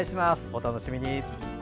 お楽しみに。